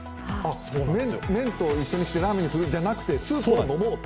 麺と一緒にしてラーメンにするんじゃなくて、スープを飲もうと。